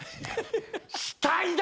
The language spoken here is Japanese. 死体だ！